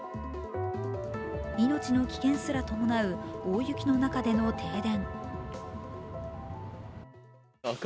命の危険すら伴う大雪の中での停電。